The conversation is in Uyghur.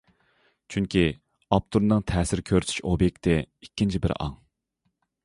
چۈنكى، ئاپتورنىڭ تەسىر كۆرسىتىش ئوبيېكتى ئىككىنچى بىر ئاڭ.